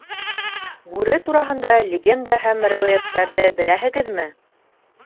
Бүре тураһында легенда һәм риүәйәттәрҙе беләһегеҙме?